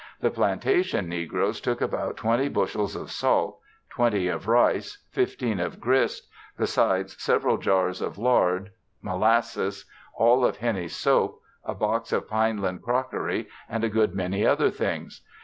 The plantation negroes took about twenty bushels of salt; twenty of rice; fifteen of grist, besides several jars of lard, molasses; all of Hennie's soap, a box of Pineland crockery and a good many other things.